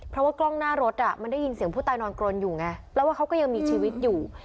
เพราะว่ากล้องหน้ารถมันได้ยินเสียงผู้ตายนอนกรนอยู่ไงแปลว่าเขาก็ยังมีชีวิตอยู่